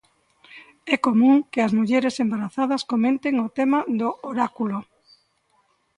É común que as mulleres embarazadas comenten o tema do oráculo.